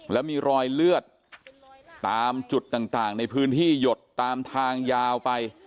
แล้วมีรอยเลือดตามจุดต่างในพื้นที่หยดตามทางยาวไป